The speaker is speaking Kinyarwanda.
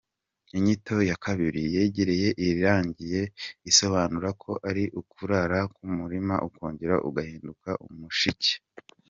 Inyito ya kabiri yegereye irangiye isobanura ko ari ukurara k’umurima ukongera ugahinduka umushike.